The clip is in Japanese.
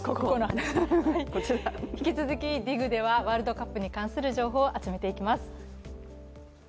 引き続きＤＩＧではワールドカップに関する情報を集めていきます。